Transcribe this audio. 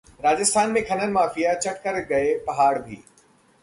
राजस्थान में खनन माफिया चट कर गए पहाड़ भी